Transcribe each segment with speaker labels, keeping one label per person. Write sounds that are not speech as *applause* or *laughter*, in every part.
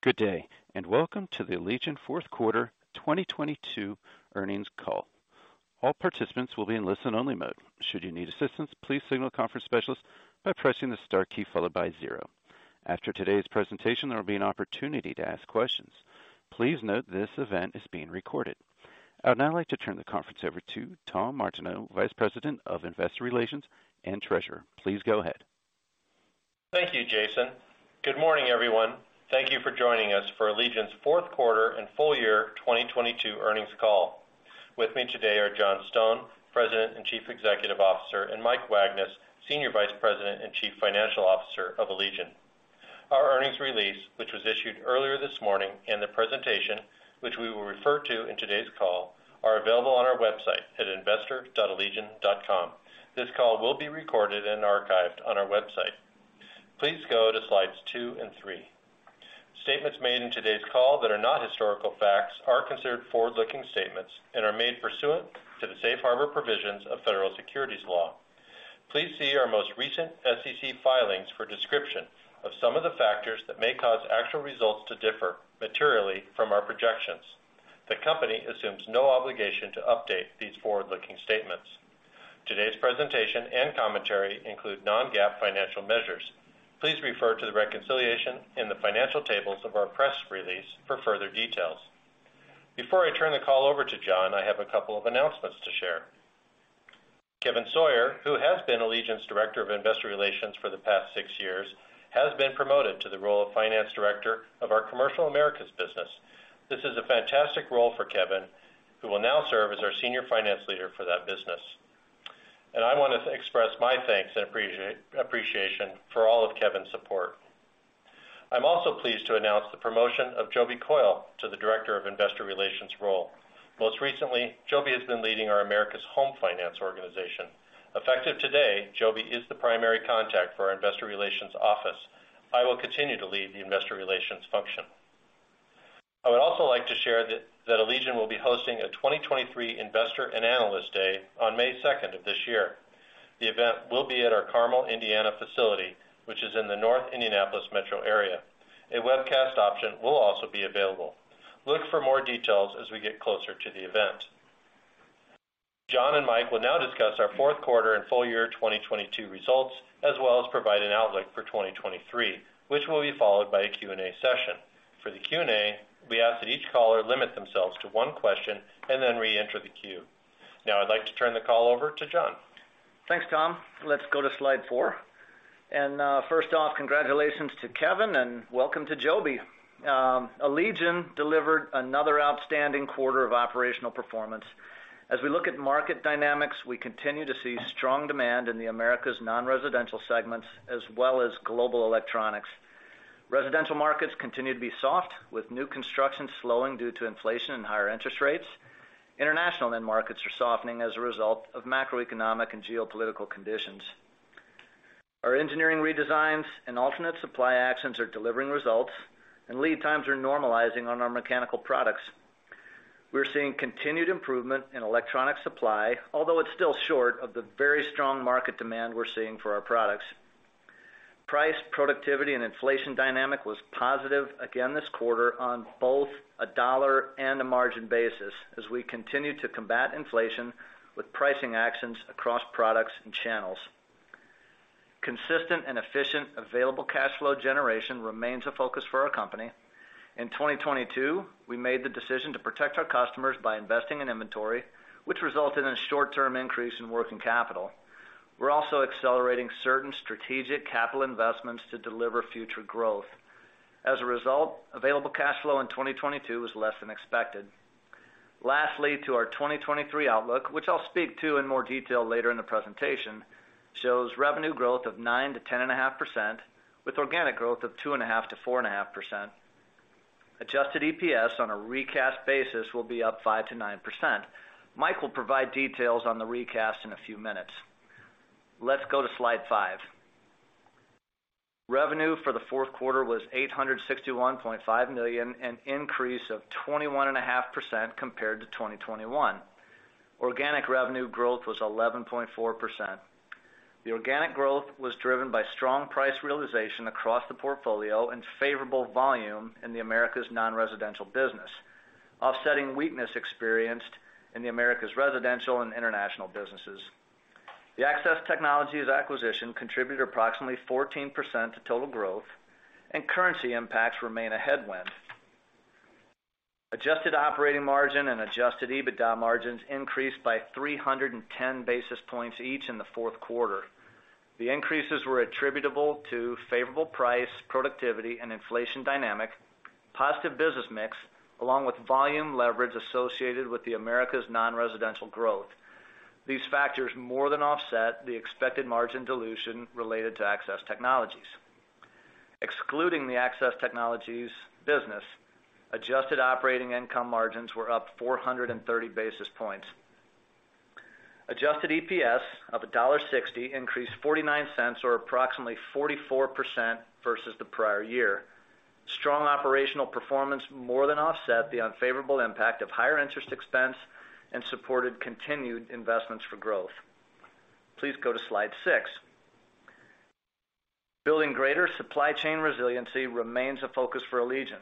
Speaker 1: Good day, welcome to the Allegion Fourth Quarter 2022 Earnings Call. All participants will be in listen-only mode. Should you need assistance, please signal the conference specialist by pressing the star key followed by zero. After today's presentation, there will be an opportunity to ask questions. Please note this event is being recorded. I would now like to turn the conference over to Tom Martineau, Vice President of Investor Relations and Treasurer. Please go ahead.
Speaker 2: Thank you, Jason. Good morning, everyone. Thank you for joining us for Allegion's Fourth Quarter and Full Year 2022 Earnings Call. With me today are John Stone, President and Chief Executive Officer, and Mike Wagnes, Senior Vice President and Chief Financial Officer of Allegion. Our earnings release, which was issued earlier this morning, and the presentation, which we will refer to in today's call, are available on our website at investor.allegion.com. This call will be recorded and archived on our website. Please go to slides two and three. Statements made in today's call that are not historical facts are considered forward-looking statements and are made pursuant to the safe harbor provisions of federal securities law. Please see our most recent SEC filings for description of some of the factors that may cause actual results to differ materially from our projections. The company assumes no obligation to update these forward-looking statements. Today's presentation and commentary include non-GAAP financial measures. Please refer to the reconciliation in the financial tables of our press release for further details. Before I turn the call over to John, I have a couple of announcements to share. Kevin Sawyer, who has been Allegion's Director of Investor Relations for the past six years, has been promoted to the role of Finance Director of our Commercial Americas business. This is a fantastic role for Kevin, who will now serve as our senior finance leader for that business. I wanna express my thanks and appreciation for all of Kevin's support. I'm also pleased to announce the promotion of Jobi Coyle to the Director of Investor Relations role. Most recently, Jobi has been leading our Americas Home Finance organization. Effective today, Jobi is the primary contact for our Investor Relations office. I will continue to lead the Investor Relations function. I would also like to share that Allegion will be hosting a 2023 Investor and Analyst Day on May 2 of this year. The event will be at our Carmel, Indiana facility, which is in the North Indianapolis metro area. A webcast option will also be available. Look for more details as we get closer to the event. John and Mike will now discuss our fourth quarter and full year 2022 results, as well as provide an outlook for 2023, which will be followed by a Q&A session. For the Q&A, we ask that each caller limit themselves to one question and then reenter the queue. I'd like to turn the call over to John.
Speaker 3: Thanks, Tom. Let's go to slide four. First off, congratulations to Kevin, and welcome to Jobi. Allegion delivered another outstanding quarter of operational performance. As we look at market dynamics, we continue to see strong demand in the Americas non-residential segments, as well as global electronics. Residential markets continue to be soft, with new construction slowing due to inflation and higher interest rates. International end markets are softening as a result of macroeconomic and geopolitical conditions. Our engineering redesigns and alternate supply actions are delivering results, and lead times are normalizing on our mechanical products. We're seeing continued improvement in electronic supply, although it's still short of the very strong market demand we're seeing for our products. Price, productivity, and inflation dynamic was positive again this quarter on both a dollar and a margin basis as we continue to combat inflation with pricing actions across products and channels. Consistent and efficient available cash flow generation remains a focus for our company. In 2022, we made the decision to protect our customers by investing in inventory, which resulted in a short-term increase in working capital. We're also accelerating certain strategic capital investments to deliver future growth. As a result, available cash flow in 2022 was less than expected. Lastly, to our 2023 outlook, which I'll speak to in more detail later in the presentation, shows revenue growth of 9%-10.5%, with organic growth of 2.5%-4.5%. Adjusted EPS on a recast basis will be up 5%-9%. Mike will provide details on the recast in a few minutes. Let's go to slide five. Revenue for the fourth quarter was $861.5 million, an increase of 21.5% compared to 2021. Organic revenue growth was 11.4%. The organic growth was driven by strong price realization across the portfolio and favorable volume in the Americas non-residential business, offsetting weakness experienced in the Americas residential and international businesses. The Access Technologies acquisition contributed approximately 14% to total growth, and currency impacts remain a headwind. Adjusted operating margin and adjusted EBITDA margins increased by 310 basis points each in the fourth quarter. The increases were attributable to favorable price, productivity, and inflation dynamic, positive business mix, along with volume leverage associated with the Americas non-residential growth. These factors more than offset the expected margin dilution related to Access Technologies. Excluding the Access Technologies business, adjusted operating income margins were up 430 basis points. Adjusted EPS of $1.60 increased $0.49 or approximately 44% versus the prior year. Strong operational performance more than offset the unfavorable impact of higher interest expense and supported continued investments for growth. Please go to slide six. Building greater supply chain resiliency remains a focus for Allegion.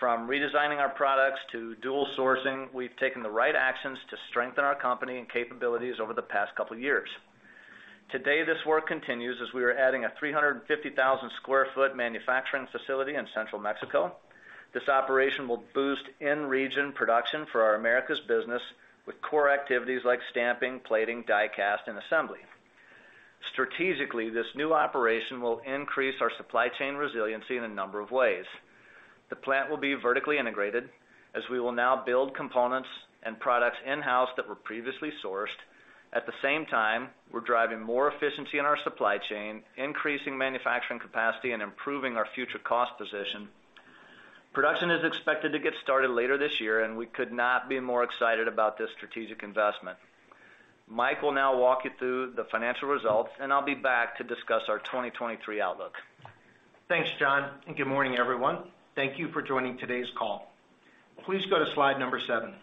Speaker 3: From redesigning our products to dual sourcing, we've taken the right actions to strengthen our company and capabilities over the past couple years. Today, this work continues as we are adding a 350,000 sq ft manufacturing facility in Central Mexico. This operation will boost in-region production for our Americas business with core activities like stamping, plating, die cast, and assembly. Strategically, this new operation will increase our supply chain resiliency in a number of ways. The plant will be vertically integrated as we will now build components and products in-house that were previously sourced. At the same time, we're driving more efficiency in our supply chain, increasing manufacturing capacity, and improving our future cost position. Production is expected to get started later this year. We could not be more excited about this strategic investment. Mike will now walk you through the financial results. I'll be back to discuss our 2023 outlook.
Speaker 4: Thanks, John. Good morning, everyone. Thank you for joining today's call. Please go to slide number seven.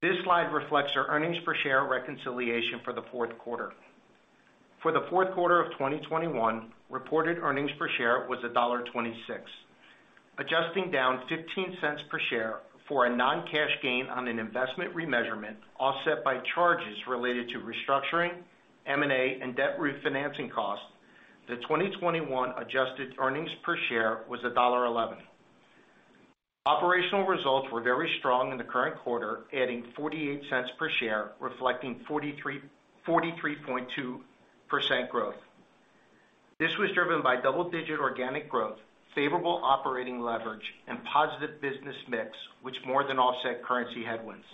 Speaker 4: This slide reflects our earnings per share reconciliation for the fourth quarter. For the fourth quarter of 2021, reported earnings per share was $1.26. Adjusting down $0.15 per share for a non-cash gain on an investment remeasurement, offset by charges related to restructuring, M&A, and debt refinancing costs, the 2021 adjusted earnings per share was $1.11. Operational results were very strong in the current quarter, adding $0.48 per share, reflecting 43.2% growth. This was driven by double-digit organic growth, favorable operating leverage, and positive business mix, which more than offset currency headwinds.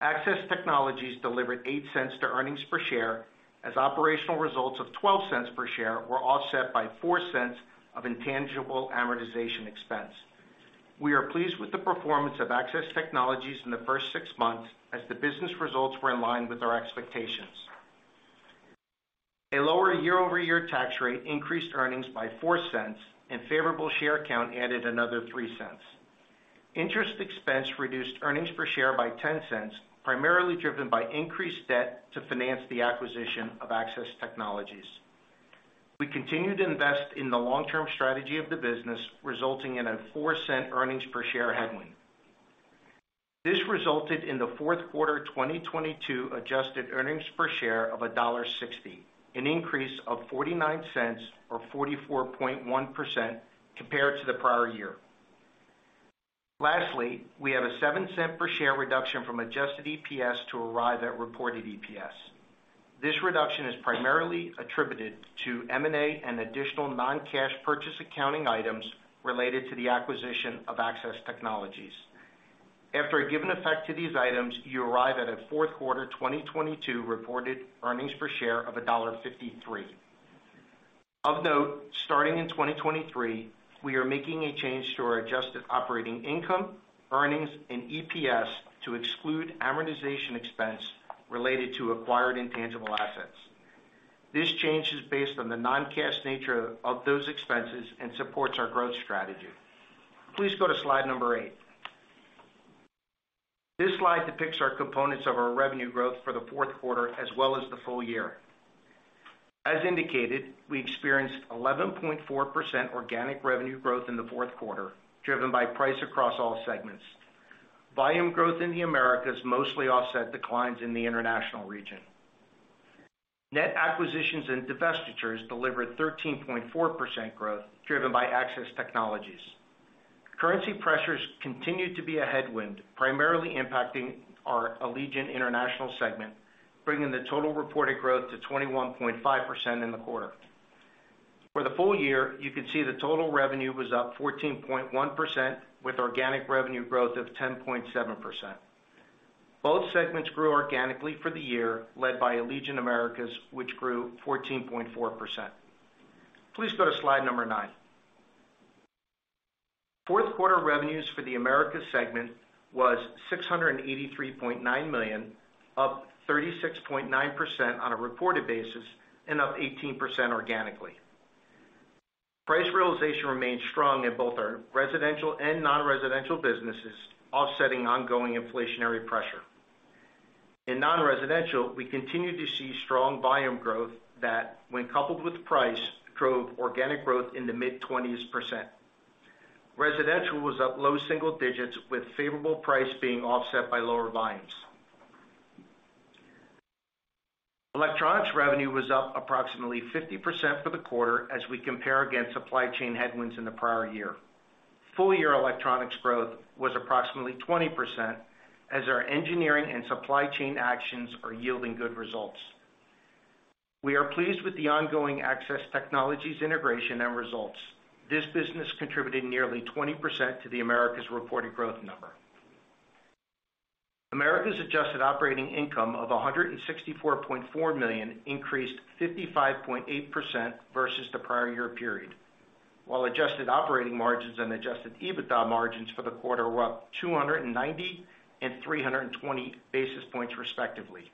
Speaker 4: Access Technologies delivered $0.08 to earnings per share as operational results of $0.12 per share were offset by $0.04 of intangible amortization expense. We are pleased with the performance of Access Technologies in the first six months as the business results were in line with our expectations. A lower year-over-year tax rate increased earnings by $0.04, and favorable share count added another $0.03. Interest expense reduced earnings per share by $0.10, primarily driven by increased debt to finance the acquisition of Access Technologies. We continue to invest in the long-term strategy of the business, resulting in a $0.04 earnings per share headwind. This resulted in the fourth quarter 2022 adjusted earnings per share of $1.60, an increase of $0.49 or 44.1% compared to the prior year. Lastly, we have a $0.07 per share reduction from adjusted EPS to arrive at reported EPS. This reduction is primarily attributed to M&A and additional non-cash purchase accounting items related to the acquisition of Access Technologies. After giving effect to these items, you arrive at a fourth quarter 2022 reported earnings per share of $1.53. Of note, starting in 2023, we are making a change to our adjusted operating income, earnings, and EPS to exclude amortization expense related to acquired intangible assets. This change is based on the non-cash nature of those expenses and supports our growth strategy. Please go to slide number eight. This slide depicts our components of our revenue growth for the fourth quarter as well as the full year. As indicated, we experienced 11.4% organic revenue growth in the fourth quarter, driven by price across all segments. Volume growth in the Americas mostly offset declines in the International region. Net acquisitions and divestitures delivered 13.4% growth, driven by Access Technologies. Currency pressures continued to be a headwind, primarily impacting our Allegion International segment, bringing the total reported growth to 21.5% in the quarter. For the full year, you can see the total revenue was up 14.1%, with organic revenue growth of 10.7%. Both segments grew organically for the year, led by Allegion Americas, which grew 14.4%. Please go to slide number nine. Fourth quarter revenues for the Americas segment was $683.9 million, up 36.9% on a reported basis and up 18% organically. Price realization remained strong in both our residential and non-residential businesses, offsetting ongoing inflationary pressure. In non-residential, we continued to see strong volume growth that, when coupled with price, drove organic growth in the mid-20%. Residential was up low single digits, with favorable price being offset by lower volumes. Electronics revenue was up approximately 50% for the quarter as we compare against supply chain headwinds in the prior year. Full year electronics growth was approximately 20% as our engineering and supply chain actions are yielding good results. We are pleased with the ongoing Access Technologies integration and results. This business contributed nearly 20% to the Americas reported growth number. Americas adjusted operating income of $164.4 million increased 55.8% versus the prior year period, while adjusted operating margins and adjusted EBITDA margins for the quarter were up 290 and 320 basis points, respectively.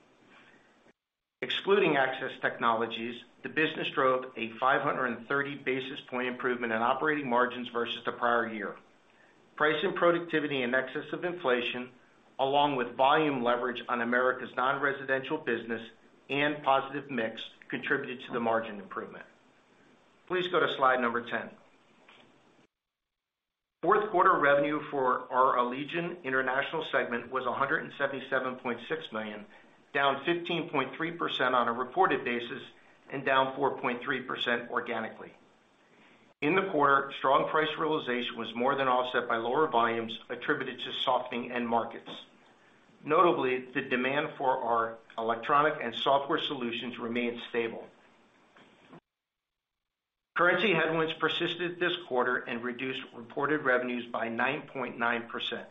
Speaker 4: Excluding Access Technologies, the business drove a 530 basis points improvement in operating margins versus the prior year. Price and productivity in excess of inflation, along with volume leverage on Americas non-residential business and positive mix contributed to the margin improvement. Please go to slide number 10. Fourth quarter revenue for our Allegion International segment was $177.6 million, down 15.3% on a reported basis and down 4.3% organically. In the quarter, strong price realization was more than offset by lower volumes attributed to softening end markets. Notably, the demand for our electronic and software solutions remained stable. Currency headwinds persisted this quarter and reduced reported revenues by 9.9%.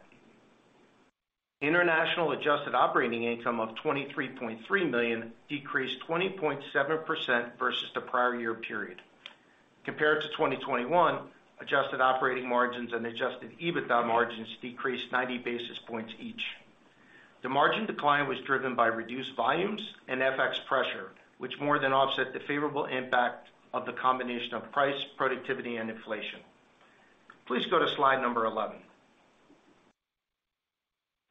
Speaker 4: International adjusted operating income of $23.3 million decreased 20.7% versus the prior year period. Compared to 2021, adjusted operating margins and adjusted EBITDA margins decreased 90 basis points each. The margin decline was driven by reduced volumes and FX pressure, which more than offset the favorable impact of the combination of price, productivity and inflation. Please go to slide number 11.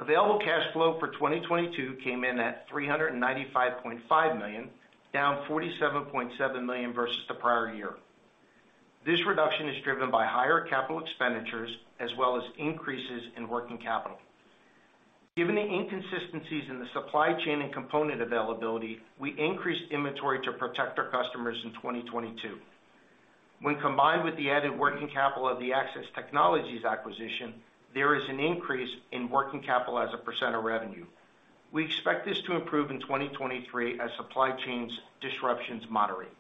Speaker 4: Available cash flow for 2022 came in at $395.5 million, down $47.7 million versus the prior year. This reduction is driven by higher capital expenditures as well as increases in working capital. Given the inconsistencies in the supply chain and component availability, we increased inventory to protect our customers in 2022. When combined with the added working capital of the Access Technologies acquisition, there is an increase in working capital as a percent of revenue. We expect this to improve in 2023 as supply chains disruptions moderate.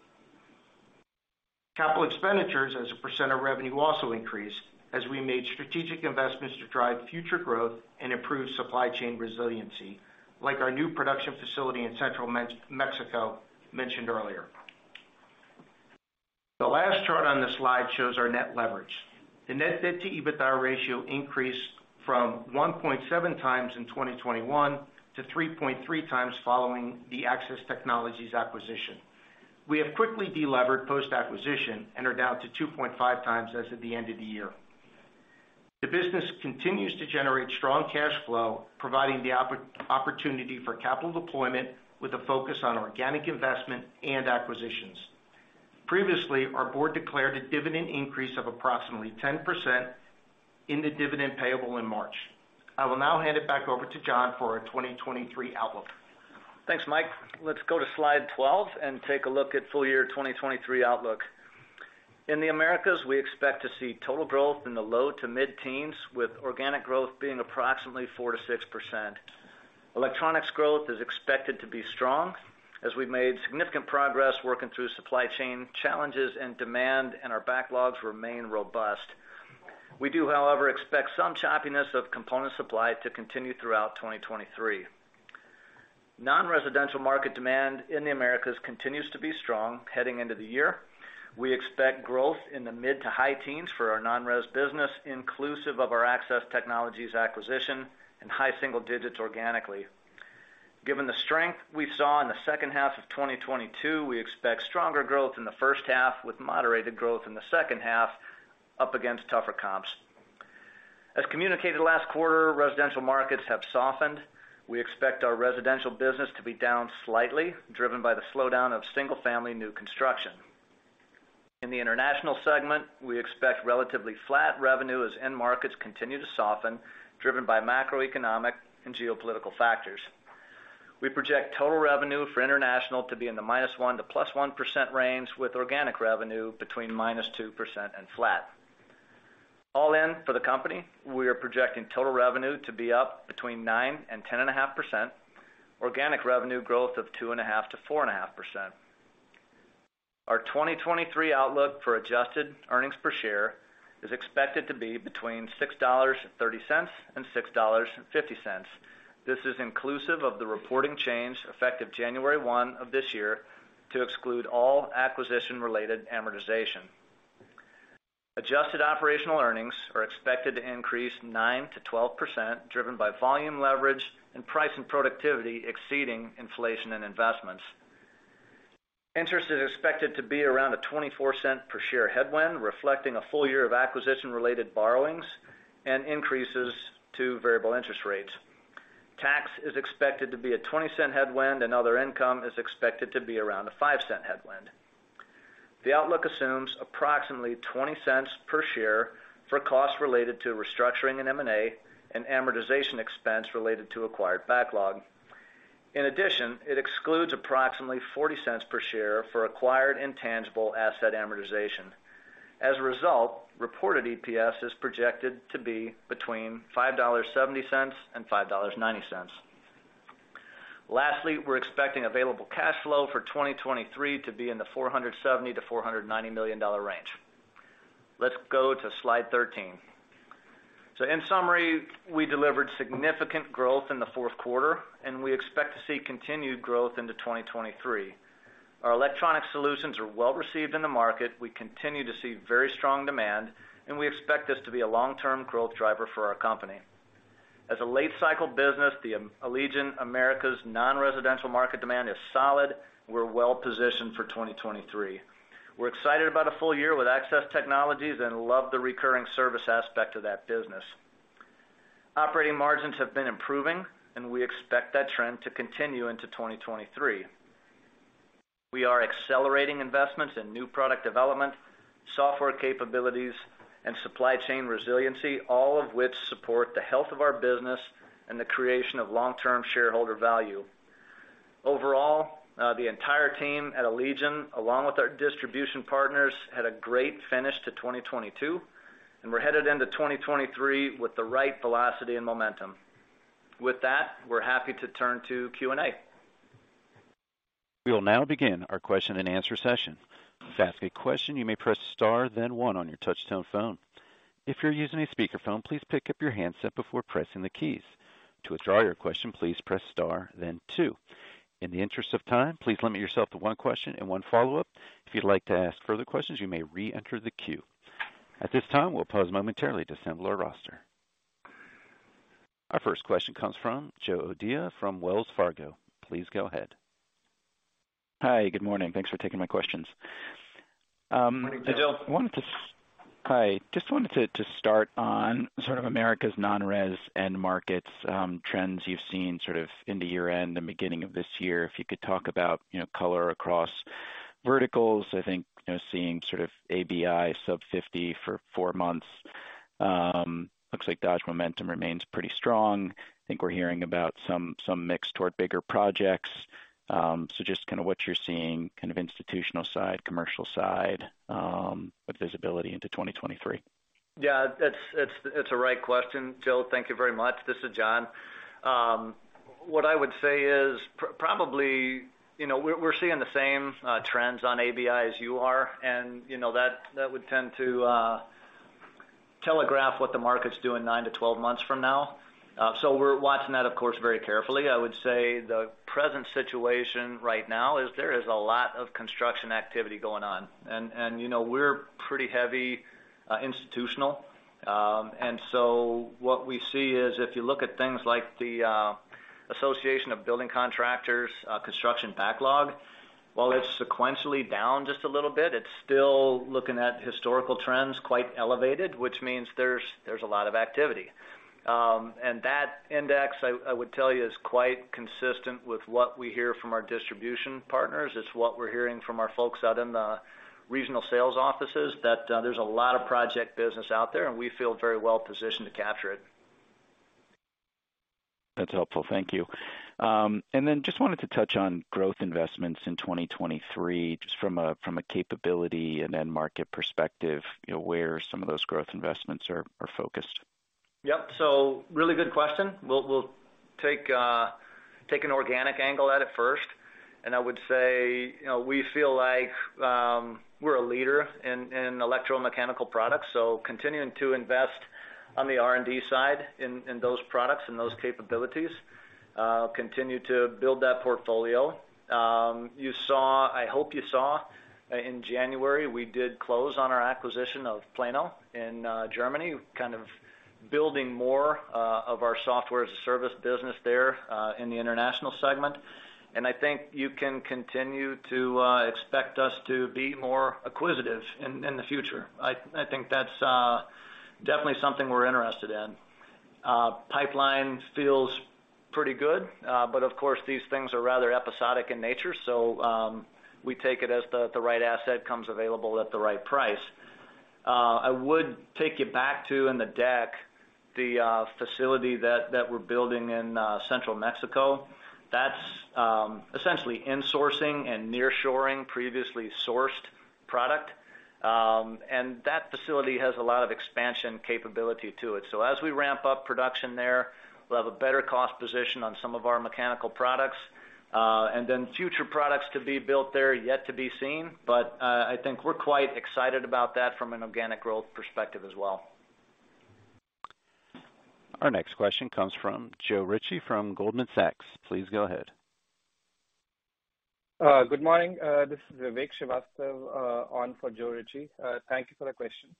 Speaker 4: CapEx as a percent of revenue also increased as we made strategic investments to drive future growth and improve supply chain resiliency, like our new production facility in Central Mexico mentioned earlier. The last chart on this slide shows our net leverage. The net debt to EBITDA ratio increased from 1.7x in 2021 to 3.3x following the Access Technologies acquisition. We have quickly delevered post-acquisition and are down to 2.5x as of the end of the year. The business continues to generate strong cash flow, providing the opportunity for capital deployment with a focus on organic investment and acquisitions. Previously, our board declared a dividend increase of approximately 10% in the dividend payable in March. I will now hand it back over to John for our 2023 outlook.
Speaker 3: Thanks, Mike. Let's go to slide 12 and take a look at full year 2023 outlook. In the Americas, we expect to see total growth in the low to mid-teens, with organic growth being approximately 4%-6%. Electronics growth is expected to be strong as we've made significant progress working through supply chain challenges and demand, and our backlogs remain robust. We do, however, expect some choppiness of component supply to continue throughout 2023. Non-residential market demand in the Americas continues to be strong heading into the year. We expect growth in the mid to high teens for our non-res business, inclusive of our Access Technologies acquisition, and high single digits organically. Given the strength we saw in the second half of 2022, we expect stronger growth in the first half, with moderated growth in the second half, up against tougher comps. As communicated last quarter, residential markets have softened. We expect our residential business to be down slightly, driven by the slowdown of single-family new construction. In the international segment, we expect relatively flat revenue as end markets continue to soften, driven by macroeconomic and geopolitical factors. We project total revenue for international to be in the -1% to +1% range, with organic revenue between -2% and flat. All in for the company, we are projecting total revenue to be up between 9%-10.5%, organic revenue growth of 2.5%-4.5%. Our 2023 outlook for adjusted earnings per share is expected to be between $6.30-$6.50. This is inclusive of the reporting change effective January 1 of this year to exclude all acquisition-related amortization. Adjusted operational earnings are expected to increase 9%-12%, driven by volume leverage and price and productivity exceeding inflation and investments. Interest is expected to be around a $0.24 per share headwind, reflecting a full year of acquisition-related borrowings and increases to variable interest rates. Tax is expected to be a $0.20 headwind. Other income is expected to be around a $0.05 headwind. The outlook assumes approximately $0.20 per share for costs related to restructuring and M&A and amortization expense related to acquired backlog. In addition, it excludes approximately $0.40 per share for acquired intangible asset amortization. As a result, reported EPS is projected to be between $5.70-$5.90. Lastly, we're expecting available cash flow for 2023 to be in the $470 million-$490 million range. Let's go to slide 13. In summary, we delivered significant growth in the fourth quarter, and we expect to see continued growth into 2023. Our electronic solutions are well received in the market. We continue to see very strong demand, and we expect this to be a long-term growth driver for our company. As a late cycle business, the Allegion Americas non-residential market demand is solid. We're well-positioned for 2023. We're excited about a full year with Access Technologies and love the recurring service aspect of that business. Operating margins have been improving, and we expect that trend to continue into 2023. We are accelerating investments in new product development, software capabilities, and supply chain resiliency, all of which support the health of our business and the creation of long-term shareholder value. Overall, the entire team at Allegion, along with our distribution partners, had a great finish to 2022, and we're headed into 2023 with the right velocity and momentum. With that, we're happy to turn to Q&A.
Speaker 1: We will now begin our question-and-answer session. To ask a question, you may press star then one on your touchtone phone. If you're using a speakerphone, please pick up your handset before pressing the keys. To withdraw your question, please press star then two. In the interest of time, please limit yourself to one question and one follow-up. If you'd like to ask further questions, you may re-enter the queue. At this time, we'll pause momentarily to assemble our roster. Our first question comes from Joe O'Dea from Wells Fargo. Please go ahead.
Speaker 5: Hi, good morning. Thanks for taking my questions.
Speaker 3: Good morning, Joe.
Speaker 5: Hi. Just wanted to start on sort of Americas non-res end markets, trends you've seen sort of into year-end and beginning of this year. If you could talk about, you know, color across verticals, I think, you know, seeing sort of ABI sub 50 for 4 months. Looks like Dodge momentum remains pretty strong. I think we're hearing about some mix toward bigger projects. Just kinda what you're seeing, kind of institutional side, commercial side, with visibility into 2023.
Speaker 3: Yeah, it's a right question, Joe. Thank you very much. This is John. What I would say is probably, you know, we're seeing the same trends on ABI as you are, and you know, that would tend to telegraph what the market's doing 9 months-12 months from now. We're watching that, of course, very carefully. I would say the present situation right now is there is a lot of construction activity going on. You know, we're pretty heavy institutional. What we see is if you look at things like the Associated Builders and Contractors construction backlog, while it's sequentially down just a little bit, it's still looking at historical trends quite elevated, which means there's a lot of activity. That index I would tell you is quite consistent with what we hear from our distribution partners. It's what we're hearing from our folks out in the regional sales offices, that there's a lot of project business out there, and we feel very well positioned to capture it.
Speaker 5: That's helpful. Thank you. Then just wanted to touch on growth investments in 2023, just from a capability and end market perspective, you know, where some of those growth investments are focused.
Speaker 3: Yep. Really good question. We'll, we'll take an organic angle at it first. I would say, you know, we feel like we're a leader in electromechanical products, so continuing to invest on the R&D side in those products and those capabilities, continue to build that portfolio. I hope you saw in January, we did close on our acquisition of Plano in Germany, kind of building more of our Software as a Service business there, in the international segment. I think you can continue to expect us to be more acquisitive in the future. I think that's definitely something we're interested in. Pipeline feels pretty good. Of course, these things are rather episodic in nature, so we take it as the right asset comes available at the right price. I would take you back to in the deck the facility that we're building in central Mexico. That's essentially insourcing and nearshoring previously sourced product. That facility has a lot of expansion capability to it. As we ramp up production there, we'll have a better cost position on some of our mechanical products. Then future products to be built there yet to be seen, but I think we're quite excited about that from an organic growth perspective as well.
Speaker 1: Our next question comes from Joe Ritchie from Goldman Sachs. Please go ahead.
Speaker 6: Good morning. This is Vivek Srivastava, on for Joe Ritchie. Thank you for the question.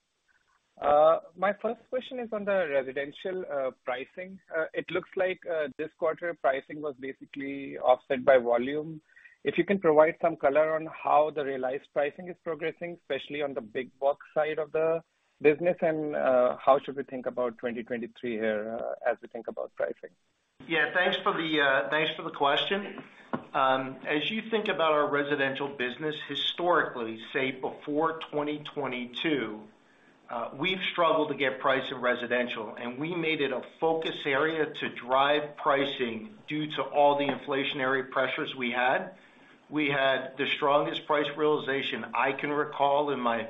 Speaker 6: My first question is on the residential, pricing. It looks like, this quarter pricing was basically offset by volume. If you can provide some color on how the realized pricing is progressing, especially on the big box side of the business, and, how should we think about 2023 here, as we think about pricing?
Speaker 3: Yeah, thanks for the question. As you think about our residential business historically, say before 2022, we've struggled to get price in residential. We made it a focus area to drive pricing due to all the inflationary pressures we had. We had the strongest price realization I can recall in my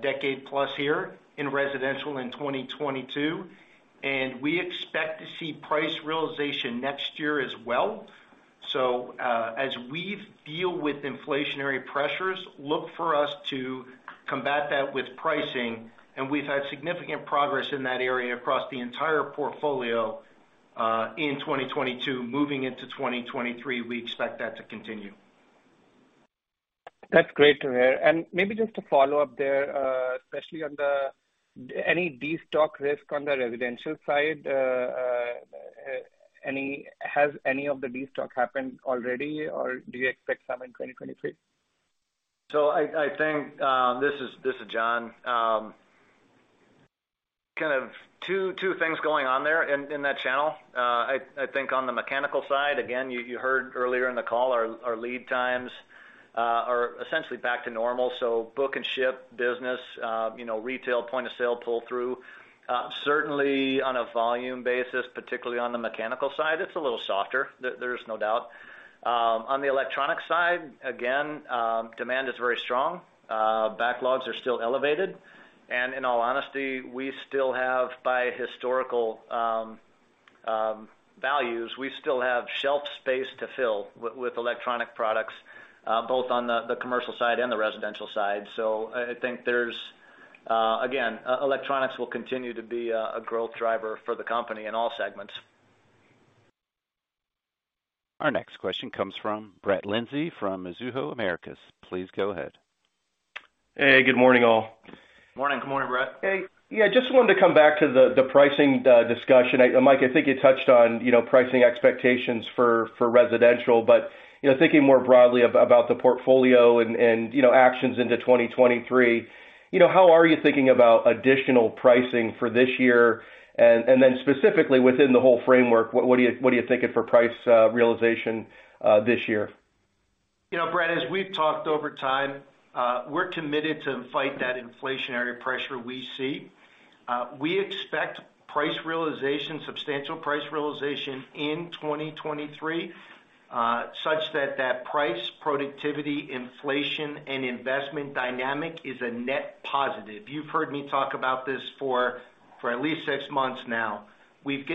Speaker 3: decade plus here in residential in 2022. We expect to see price realization next year as well. As we deal with inflationary pressures, look for us to combat that with pricing. We've had significant progress in that area across the entire portfolio in 2022. Moving into 2023, we expect that to continue.
Speaker 6: That's great to hear. Maybe just to follow up there, especially on the any destock risk on the residential side, has any of the destock happened already or do you expect some in 2023?
Speaker 3: I think, this is John. Kind of two things going on there in that channel. I think on the mechanical side, again, you heard earlier in the call our lead times are essentially back to normal. Book and ship business, you know, retail point of sale pull through, certainly on a volume basis, particularly on the mechanical side, it's a little softer, there's no doubt. On the electronic side, again, demand is very strong, backlogs are still elevated. In all honesty, we still have by historical values, we still have shelf space to fill with electronic products, both on the commercial side and the residential side. I think there's, again, electronics will continue to be a growth driver for the company in all segments.
Speaker 1: Our next question comes from Brett Linzey from Mizuho Financial Group. Please go ahead.
Speaker 7: Hey, good morning all.
Speaker 3: Morning.
Speaker 4: Good morning, Brett.
Speaker 7: Hey. Yeah, just wanted to come back to the pricing discussion. Mike, I think you touched on, you know, pricing expectations for residential, but, you know, thinking more broadly about the portfolio and, you know, actions into 2023, you know, how are you thinking about additional pricing for this year? Then specifically within the whole framework, what are you thinking for price realization this year?
Speaker 4: You know, Brett, as we've talked over time, we're committed to fight that inflationary pressure we see. We expect price realization, substantial price realization in 2023, such that that price, productivity, inflation, and investment dynamic is a net positive. You've heard me talk about this for at least six months now. We've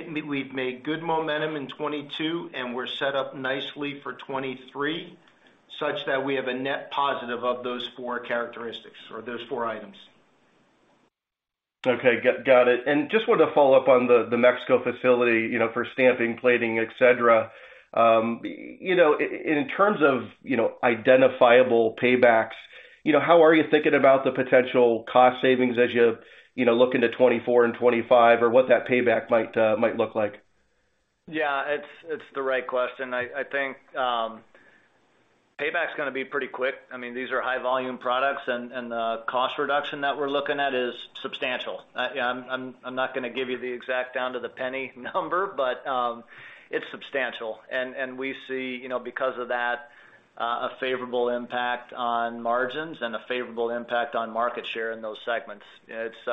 Speaker 4: made good momentum in 2022, and we're set up nicely for 2023 such that we have a net positive of those four characteristics or those four items.
Speaker 7: Okay. Got it. Just wanted to follow up on the Mexico facility, you know, for stamping, plating, et cetera. You know, in terms of, you know, identifiable paybacks, you know, how are you thinking about the potential cost savings as you know, look into 2024 and 2025 or what that payback might look like?
Speaker 3: Yeah. It's the right question. I think payback's gonna be pretty quick. I mean, these are high volume products and the cost reduction that we're looking at is substantial. Yeah, I'm not gonna give you the exact down to the penny number, but it's substantial. We see, you know, because of that, a favorable impact on margins and a favorable impact on market share in those segments. It's.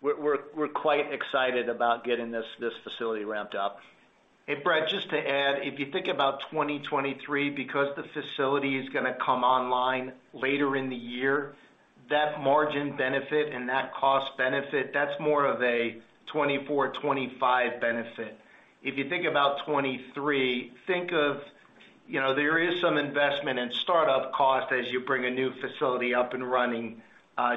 Speaker 3: We're quite excited about getting this facility ramped up.
Speaker 4: Brett, just to add, if you think about 2023, because the facility is gonna come online later in the year, that margin benefit and that cost benefit, that's more of a 2024, 2025 benefit. If you think about 2023, think of, you know, there is some investment and startup cost as you bring a new facility up and running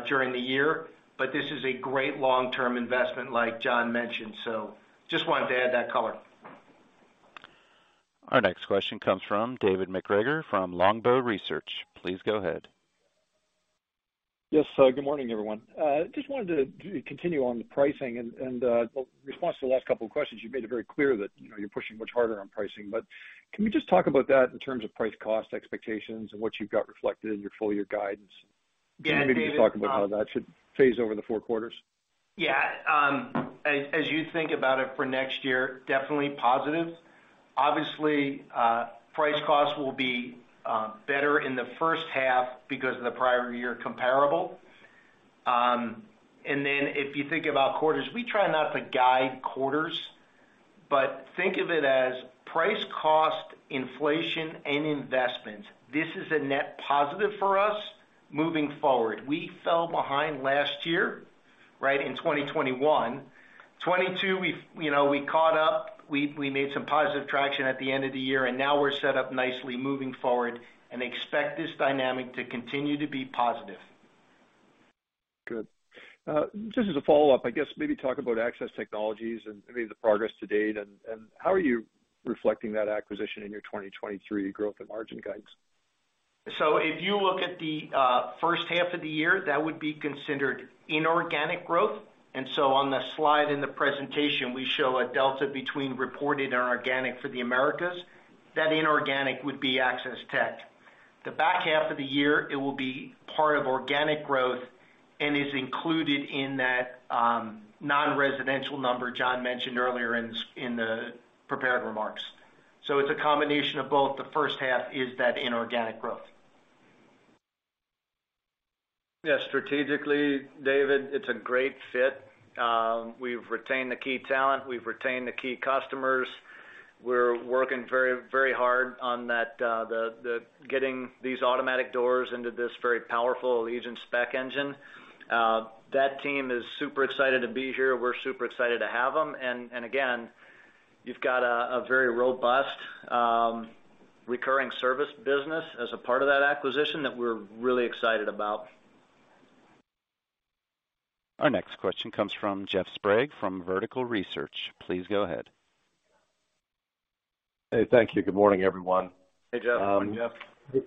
Speaker 4: during the year, but this is a great long-term investment like John mentioned. Just wanted to add that color.
Speaker 1: Our next question comes from David MacGregor from Longbow Research. Please go ahead.
Speaker 8: Yes. Good morning, everyone. Just wanted to continue on the pricing and, well, response to the last couple of questions, you've made it very clear that, you know, you're pushing much harder on pricing. Can we just talk about that in terms of price cost expectations and what you've got reflected in your full year guidance?
Speaker 4: Yeah, David.
Speaker 8: Maybe just talk about how that should phase over the four quarters.
Speaker 4: As you think about it for next year, definitely positive. Obviously, price costs will be better in the first half because of the prior year comparable. If you think about quarters, we try not to guide quarters, but think of it as price, cost, inflation, and investment. This is a net positive for us moving forward. We fell behind last year, right, in 2021. 2022, you know, we caught up. We made some positive traction at the end of the year, and now we're set up nicely moving forward and expect this dynamic to continue to be positive.
Speaker 8: Good. Just as a follow-up, I guess maybe talk about Access Technologies and maybe the progress to date, and how are you reflecting that acquisition in your 2023 growth and margin guidance?
Speaker 4: If you look at the first half of the year, that would be considered inorganic growth. On the slide in the presentation, we show a delta between reported and organic for the Americas. That inorganic would be Access Technologies. The back half of the year, it will be part of organic growth and is included in that non-residential number John mentioned earlier in the prepared remarks. It's a combination of both. The first half is that inorganic growth.
Speaker 3: Yeah. Strategically, David, it's a great fit. We've retained the key talent, we've retained the key customers. We're working very, very hard on that, getting these automatic doors into this very powerful Allegion spec engine. That team is super excited to be here. We're super excited to have them. Again, you've got a very robust recurring service business as a part of that acquisition that we're really excited about.
Speaker 1: Our next question comes from Jeff Sprague from Vertical Research. Please go ahead.
Speaker 9: Hey, thank you. Good morning, everyone.
Speaker 4: Hey, Jeff.
Speaker 3: Good morning, Jeff.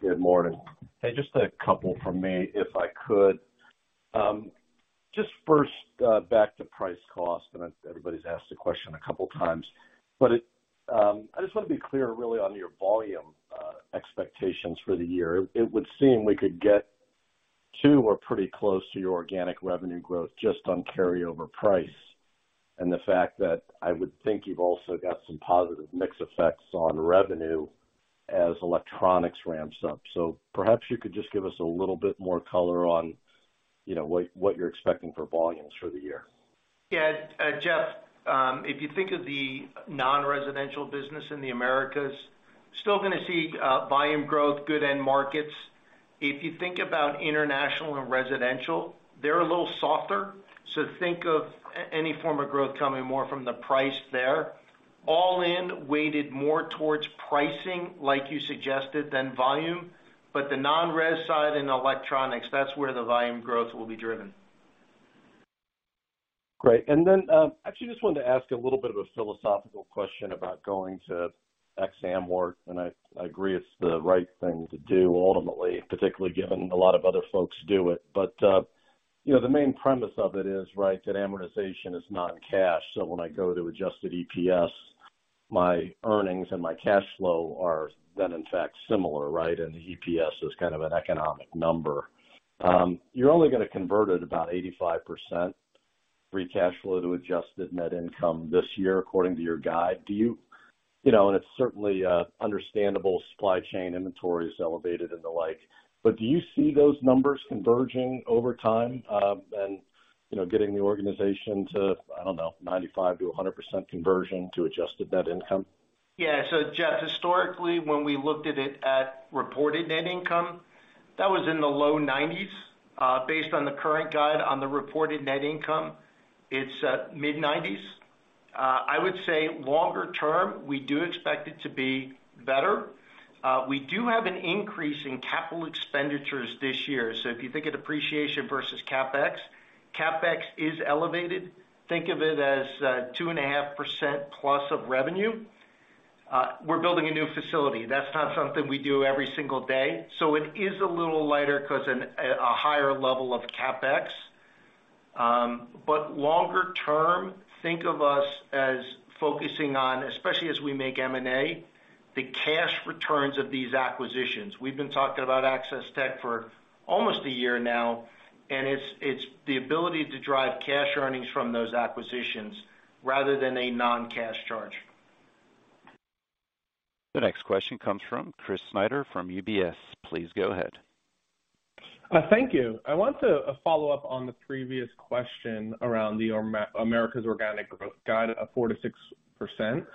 Speaker 9: Good morning. Hey, just a couple from me, if I could. just first, back to price cost, and everybody's asked the question a couple times, but I just wanna be clear really on your volume expectations for the year. It would seem we could get to or pretty close to your organic revenue growth just on carryover price. The fact that I would think you've also got some positive mix effects on revenue as electronics ramps up. Perhaps you could just give us a little bit more color on, you know, what you're expecting for volumes for the year.
Speaker 4: Jeff, if you think of the non-residential business in the Americas, still gonna see volume growth, good end markets. If you think about International and residential, they're a little softer, so think of any form of growth coming more from the price there. All in weighted more towards pricing, like you suggested, than volume. The non-res side and electronics, that's where the volume growth will be driven.
Speaker 9: Great. Then, actually just wanted to ask a little bit of a philosophical question about going to ex-amort work, I agree it's the right thing to do ultimately, particularly given a lot of other folks do it. You know, the main premise of it is, right, that amortization is not cash. When I go to adjusted EPS, my earnings and my cash flow are then in fact similar, right? The EPS is kind of an economic number. You're only gonna convert at about 85% free cash flow to adjusted net income this year according to your guide. You know, it's certainly understandable supply chain inventory is elevated and the like. Do you see those numbers converging over time, and, you know, getting the organization to, I don't know, 95%-100% conversion to adjusted net income?
Speaker 4: Yeah. Jeff, historically, when we looked at it at reported net income, that was in the low 90%s. Based on the current guide on the reported net income, it's at mid-90%s. I would say longer term, we do expect it to be better. We do have an increase in capital expenditures this year. If you think of depreciation versus CapEx is elevated. Think of it as 2.5%+ of revenue. We're building a new facility. That's not something we do every single day. It is a little lighter 'cause a higher level of CapEx. Longer term, think of us as focusing on, especially as we make M&A, the cash returns of these acquisitions. We've been talking about Access Tec for almost a year now, and it's the ability to drive cash earnings from those acquisitions rather than a non-cash charge.
Speaker 1: The next question comes from Chris Snyder from UBS. Please go ahead.
Speaker 10: Thank you. I want to follow up on the previous question around the Americas organic growth guide of 4%-6%. Can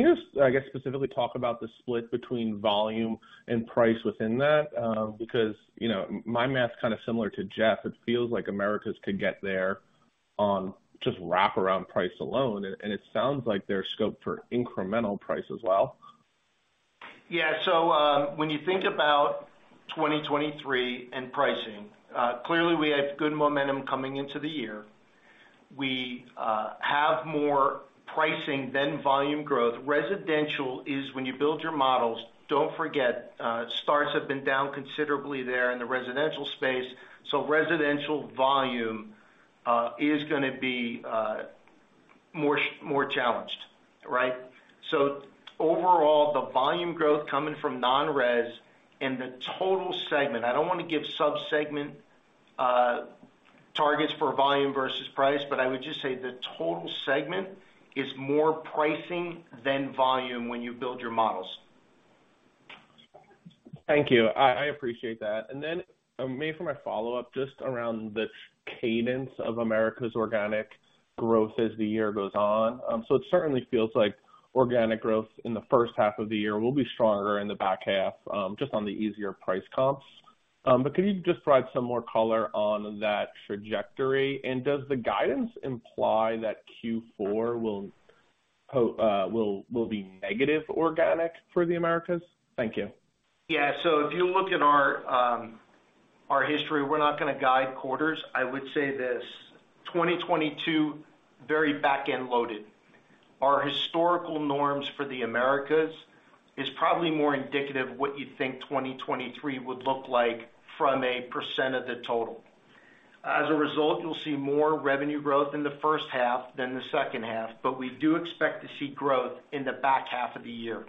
Speaker 10: you, I guess, specifically talk about the split between volume and price within that? Because, you know, my math's kinda similar to Jeff. It feels like Americas could get there on just wraparound price alone, and it sounds like there's scope for incremental price as well.
Speaker 4: When you think about 2023 and pricing, clearly we had good momentum coming into the year. We have more pricing than volume growth. Residential is when you build your models, don't forget, starts have been down considerably there in the residential space, so residential volume is gonna be more challenged, right? Overall, the volume growth coming from non-res and the total segment, I don't wanna give sub-segment targets for volume versus price, but I would just say the total segment is more pricing than volume when you build your models.
Speaker 10: Thank you. I appreciate that. Maybe for my follow-up, just around the cadence of Americas' organic growth as the year goes on. It certainly feels like organic growth in the first half of the year will be stronger in the back half, just on the easier price comps. But could you just provide some more color on that trajectory? Does the guidance imply that Q4 will be negative organic for the Americas? Thank you.
Speaker 4: Yeah. If you look at our history, we're not gonna guide quarters. I would say this: 2022, very back-end loaded. Our historical norms for the Americas is probably more indicative of what you think 2023 would look like from a percent of the total. As a result, you'll see more revenue growth in the first half than the second half, but we do expect to see growth in the back half of the year.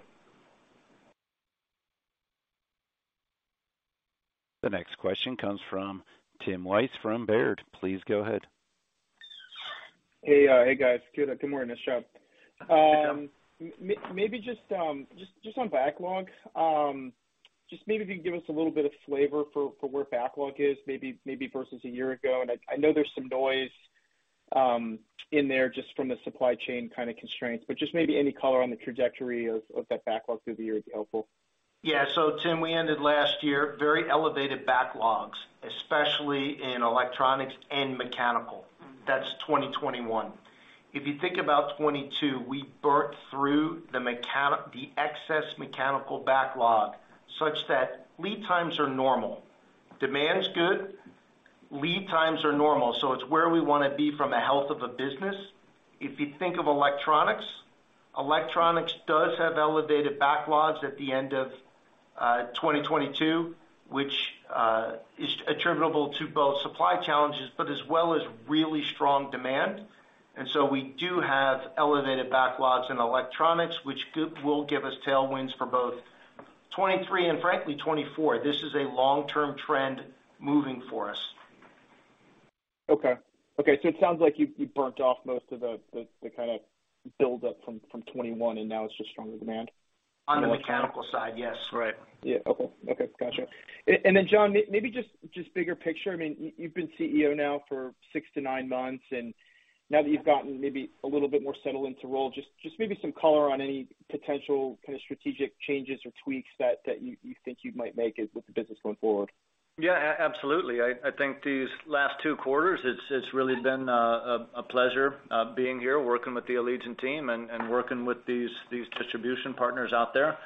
Speaker 1: The next question comes from Tim Wojs from Baird. Please go ahead.
Speaker 11: Hey, guys. Good morning. *audio distortion* maybe just on backlog, just maybe if you can give us a little bit of flavor for where backlog is, maybe versus a year ago. I know there's some noise in there just from the supply chain kinda constraints, but just maybe any color on the trajectory of that backlog through the year would be helpful.
Speaker 4: Yeah. Tim, we ended last year very elevated backlogs, especially in electronics and mechanical
Speaker 3: That's 2021. If you think about 2022, we burnt through the excess mechanical backlog such that lead times are normal. Demand's good, lead times are normal. It's where we wanna be from the health of a business. If you think of electronics does have elevated backlogs at the end of 2022, which is attributable to both supply challenges, but as well as really strong demand. We do have elevated backlogs in electronics, which will give us tailwinds for both 2023 and frankly, 2024. This is a long-term trend moving for us.
Speaker 11: Okay. Okay. It sounds like you've burnt off most of the kind of buildup from 2021, and now it's just stronger demand.
Speaker 3: On the mechanical side, yes. Right.
Speaker 11: Yeah. Okay. Okay. Gotcha. Then John, maybe just bigger picture. I mean, you've been CEO now for six months to nine months, and now that you've gotten maybe a little bit more settled into role, just maybe some color on any potential kind of strategic changes or tweaks that you think you might make as with the business going forward.
Speaker 3: Yeah. Absolutely. I think these last two quarters it's really been a pleasure being here, working with the Allegion team and working with these distribution partners out there.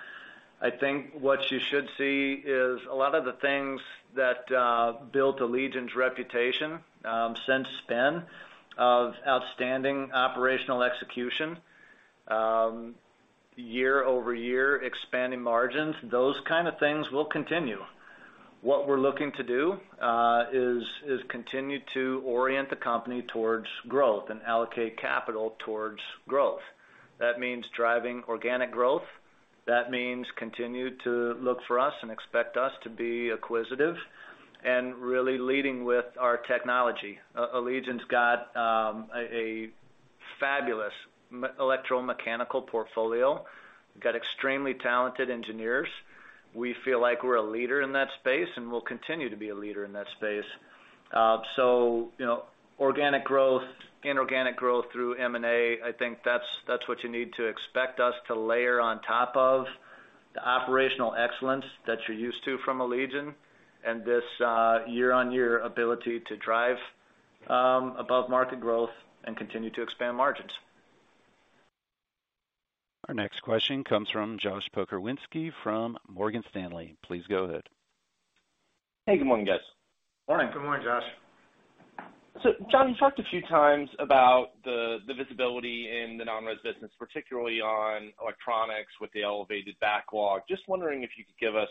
Speaker 3: I think what you should see is a lot of the things that built Allegion's reputation since spin of outstanding operational execution, year-over-year expanding margins, those kind of things will continue. What we're looking to do is continue to orient the company towards growth and allocate capital towards growth. That means driving organic growth. That means continue to look for us and expect us to be acquisitive and really leading with our technology. Allegion's got a fabulous electromechanical portfolio, got extremely talented engineers. We feel like we're a leader in that space, and we'll continue to be a leader in that space. You know, organic growth, inorganic growth through M&A, I think that's what you need to expect us to layer on top of the operational excellence that you're used to from Allegion and this year-on-year ability to drive above market growth and continue to expand margins.
Speaker 1: Our next question comes from Josh Pokrzywinski from Morgan Stanley. Please go ahead.
Speaker 12: Hey, good morning, guys.
Speaker 3: Morning.
Speaker 11: Good morning, Josh.
Speaker 12: John, you talked a few times about the visibility in the non-res business, particularly on electronics with the elevated backlog. Just wondering if you could give us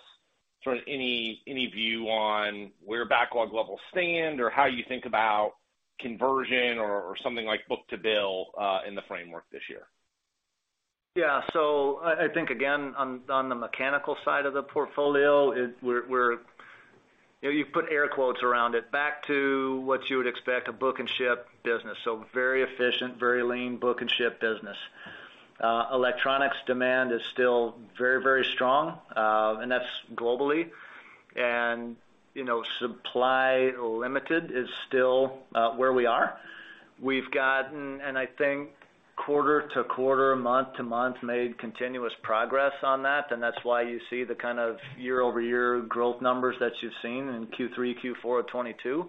Speaker 12: sort of any view on where backlog levels stand, or how you think about conversion or something like book-to-bill in the framework this year?
Speaker 3: Yeah. I think again on the mechanical side of the portfolio, you know, you put air quotes around it, back to what you would expect a book and ship business, so very efficient, very lean book and ship business. Electronics demand is still very, very strong, that's globally. You know, supply limited is still where we are. We've gotten, and I think quarter-to-quarter, month-to-month, made continuous progress on that. That's why you see the kind of year-over-year growth numbers that you've seen in Q3, Q4 of 2022.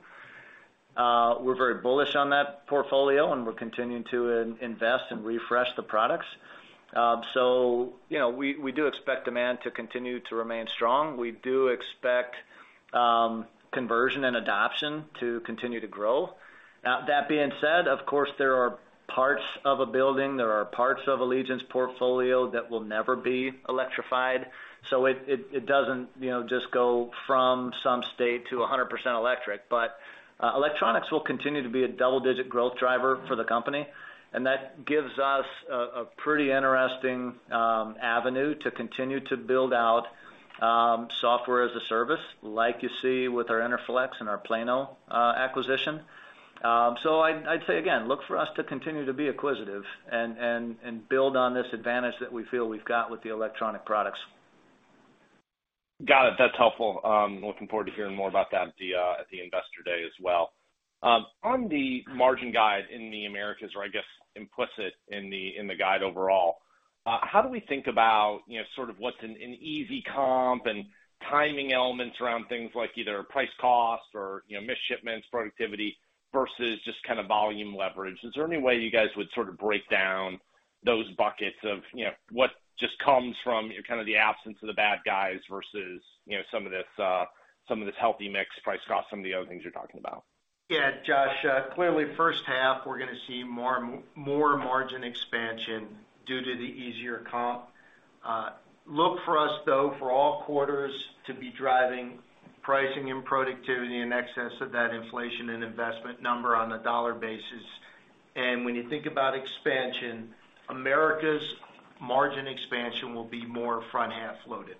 Speaker 3: We're very bullish on that portfolio, and we're continuing to invest and refresh the products. You know, we do expect demand to continue to remain strong. We do expect conversion and adoption to continue to grow. That being said, of course, there are parts of a building, there are parts of Allegion's portfolio that will never be electrified, so it doesn't, you know, just go from some state to 100% electric. Electronics will continue to be a double-digit growth driver for the company, and that gives us a pretty interesting avenue to continue to build out Software as a Service like you see with our Interflex and our Plano acquisition. I'd say again, look for us to continue to be acquisitive and build on this advantage that we feel we've got with the electronic products.
Speaker 12: Got it. That's helpful. Looking forward to hearing more about that at the Investor Day as well. On the margin guide in the Americas, or I guess implicit in the, in the guide overall, how do we think about, you know, sort of what's an easy comp and timing elements around things like either price cost or, you know, missed shipments, productivity versus just kind of volume leverage? Is there any way you guys would sort of break down those buckets of, you know, what just comes from kind of the absence of the bad guys versus, you know, some of this, some of this healthy mix, price cost, some of the other things you're talking about?
Speaker 3: Yeah, Josh. Clearly first half we're gonna see more margin expansion due to the easier comp. Look for us though, for all quarters to be driving pricing and productivity in excess of that inflation and investment number on a dollar basis. When you think about expansion, Americas' margin expansion will be more front half loaded.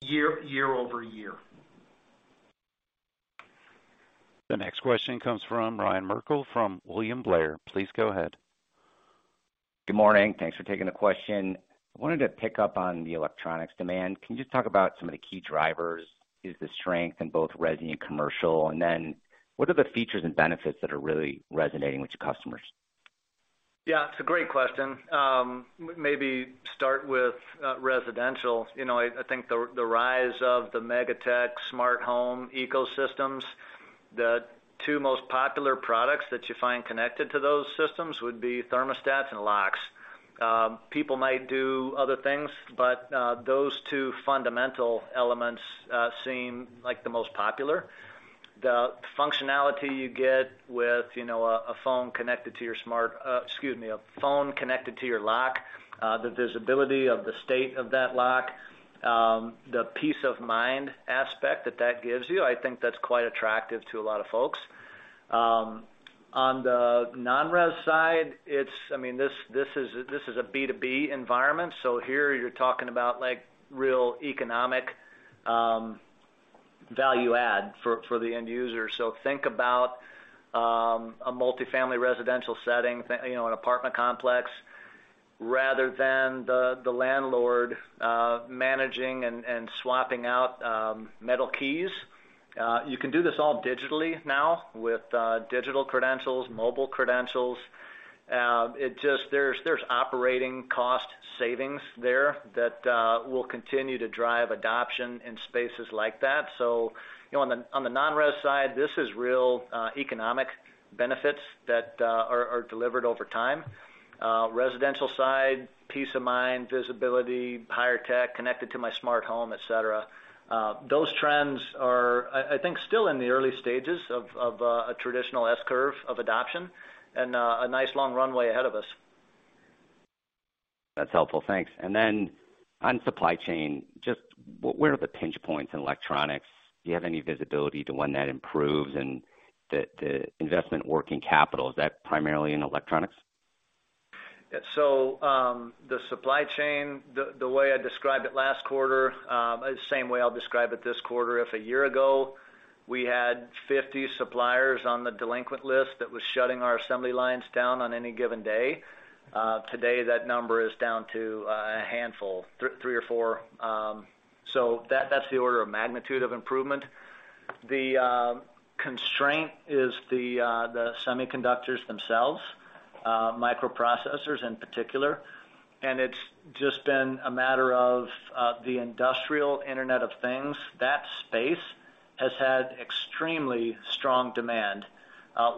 Speaker 3: Year-over-year.
Speaker 1: The next question comes from Ryan Merkel from William Blair. Please go ahead.
Speaker 13: Good morning. Thanks for taking the question. I wanted to pick up on the electronics demand. Can you just talk about some of the key drivers? Is the strength in both residentia and commercial? What are the features and benefits that are really resonating with your customers?
Speaker 3: Yeah, it's a great question. Maybe start with residential. You know, I think the rise of the Mega tech smart home ecosystems, the two most popular products that you find connected to those systems would be thermostats and locks. People might do other things, but those two fundamental elements seem like the most popular. The functionality you get with, you know, a phone connected to your lock, the visibility of the state of that lock, the peace of mind aspect that that gives you, I think that's quite attractive to a lot of folks. On the non-res side, I mean, this is a B2B environment, so here you're talking about, like, real economic value add for the end user. Think about a multifamily residential setting, you know, an apartment complex, rather than the landlord, managing and swapping out metal keys, you can do this all digitally now with digital credentials, mobile credentials. There's operating cost savings there that will continue to drive adoption in spaces like that. You know, on the non-res side, this is real economic benefits that are delivered over time. Residential side, peace of mind, visibility, higher tech, connected to my smart home, et cetera. Those trends are, I think still in the early stages of a traditional S-curve of adoption and a nice long runway ahead of us.
Speaker 13: That's helpful, thanks. Then on supply chain, just where are the pinch points in electronics? Do you have any visibility to when that improves and the investment working capital, is that primarily in electronics?
Speaker 3: The supply chain, the way I described it last quarter, same way I'll describe it this quarter. If a year ago, we had 50 suppliers on the delinquent list that was shutting our assembly lines down on any given day, today that number is down to a handful, 3 suppliers or 4 suppliers. That, that's the order of magnitude of improvement. The constraint is the semiconductors themselves, microprocessors in particular. It's just been a matter of the industrial Internet of Things. That space has had extremely strong demand.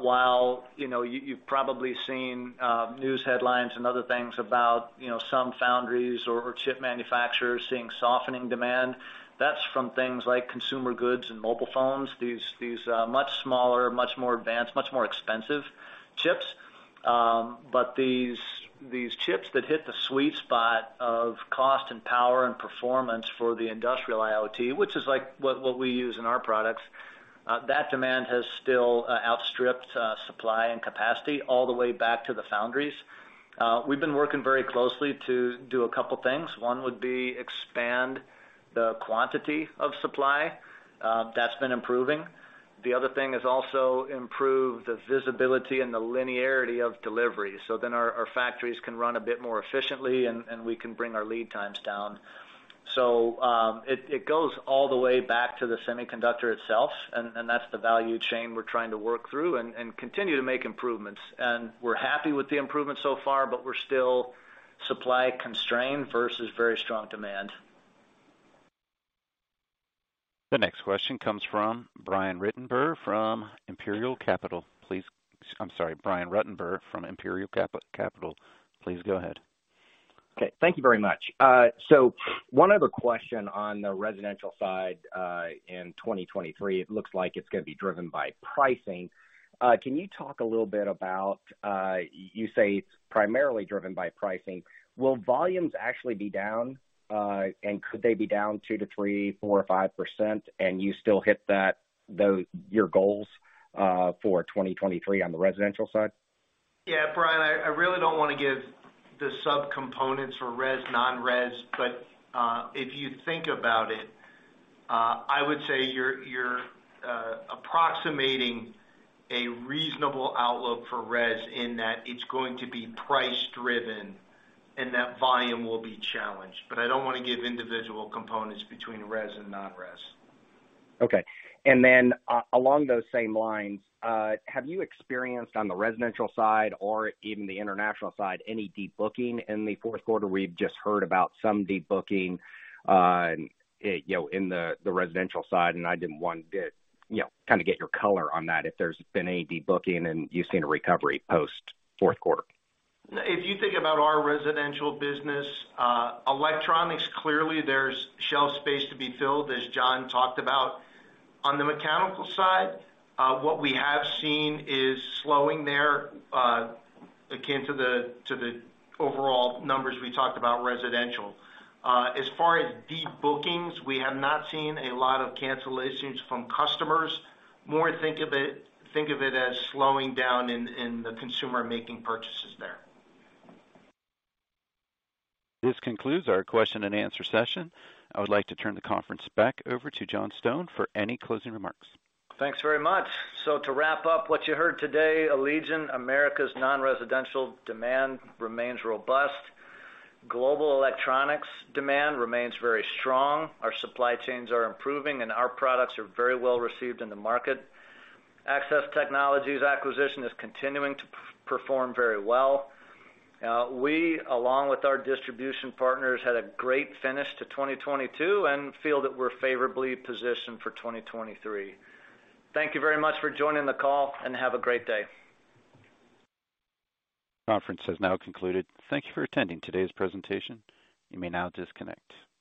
Speaker 3: While, you know, you've probably seen news headlines and other things about, you know, some foundries or chip manufacturers seeing softening demand. That's from things like consumer goods and mobile phones, these much smaller, much more advanced, much more expensive chips. These, these chips that hit the sweet spot of cost and power and performance for the industrial IoT, which is like what we use in our products, that demand has still outstripped supply and capacity all the way back to the foundries. We've been working very closely to do a couple things. One would be expand the quantity of supply. That's been improving. The other thing is also improve the visibility and the linearity of delivery, so then our factories can run a bit more efficiently and we can bring our lead times down. It goes all the way back to the semiconductor itself, and that's the value chain we're trying to work through and continue to make improvements. We're happy with the improvements so far, but we're still supply constrained versus very strong demand.
Speaker 1: The next question comes from Brian Ruttenbur from Imperial Capital. I'm sorry, Brian Ruttenbur from Imperial Capital, please go ahead.
Speaker 14: Okay, thank you very much. One other question on the residential side. In 2023, it looks like it's gonna be driven by pricing. Can you talk a little bit about, you say it's primarily driven by pricing. Will volumes actually be down, and could they be down 2%-3%, 4% or 5% and you still hit that, your goals, for 2023 on the residential side?
Speaker 3: Brian, I really don't wanna give the subcomponents for res/non-res. If you think about it, I would say you're approximating a reasonable outlook for res in that it's going to be price driven, and that volume will be challenged. I don't wanna give individual components between res and non-res.
Speaker 14: Okay. Along those same lines, have you experienced on the residential side or even the international side, any debooking in the fourth quarter? We've just heard about some debooking, you know, in the residential side, and I did want to, you know, kind of get your color on that, if there's been any debooking and you've seen a recovery post fourth quarter.
Speaker 3: If you think about our residential business, electronics, clearly there's shelf space to be filled, as John talked about. On the mechanical side, what we have seen is slowing there, akin to the overall numbers we talked about residential. As far as debookings, we have not seen a lot of cancellations from customers. More think of it as slowing down in the consumer making purchases there.
Speaker 1: This concludes our question and answer session. I would like to turn the conference back over to John Stone for any closing remarks.
Speaker 3: Thanks very much. To wrap up what you heard today, Allegion Americas non-residential demand remains robust. Global electronics demand remains very strong. Our supply chains are improving, and our products are very well received in the market. Access Technologies acquisition is continuing to perform very well. We, along with our distribution partners, had a great finish to 2022 and feel that we're favorably positioned for 2023. Thank you very much for joining the call, and have a great day.
Speaker 1: Conference has now concluded. Thank you for attending today's presentation. You may now disconnect.